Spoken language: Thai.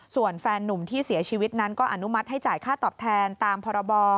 ส่วนแฟนนุ่มที่เสียชีวิตนั้นก็อนุมัติให้จ่ายค่าตอบแทนตามพรบ